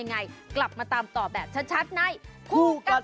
ตายครูพระช่วยค่ะ